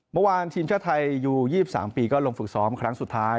เมื่อวานทีมชาติไทยอยู่๒๓ปีก็ลงฝึกซ้อมครั้งสุดท้าย